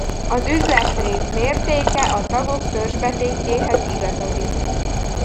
Az üzletrész mértéke a tagok törzsbetétjéhez igazodik.